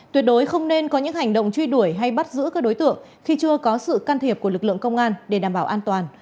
tuyệt đối không nên có những hành động truy đuổi hay bắt giữ các đối tượng khi chưa có sự can thiệp của lực lượng công an để đảm bảo an toàn